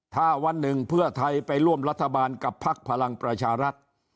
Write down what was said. ถ้าวันหนึ่งเพื่อไทยไปร่วมรัฐบาลกับพักพลังประชารัฐ